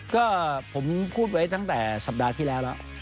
ก็ผมพูดไว้ตั้งแต่สัปดาห์ที่แล้วแล้ว